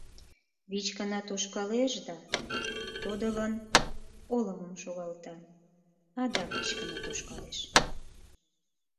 Вич гана тошкалеш да, тодылын, олымым шогалта, адак вич гана тошкалеш.